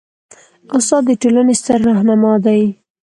استاد د ټولنې ستر رهنما دی.